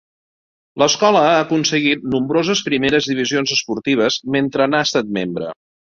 L'escola ha aconseguit nombroses primeres divisions esportives mentre n'ha estat membre.